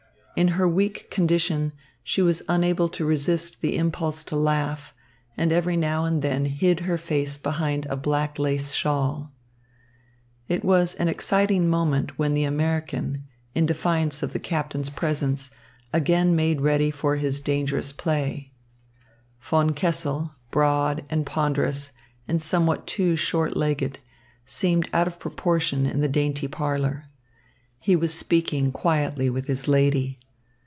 In her weak condition she was unable to resist the impulse to laugh, and every now and then hid her face behind a black lace shawl. It was an exciting moment when the American, in defiance of the Captain's presence, again made ready for his dangerous play. Von Kessel, broad and ponderous and somewhat too short legged, seemed out of proportion in the dainty parlour. He was speaking quietly with his lady.